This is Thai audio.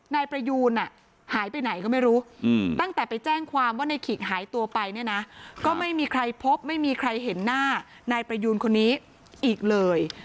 นายประยูนหายไปไหนก็ไม่รู้ตั้งแต่ไปแจ้งความว่าในขิกหายตัวไปเนี่ยนะก็ไม่มีใครพบไม่มีใครเห็นหน้านายประยูนคนนี้อีกเลย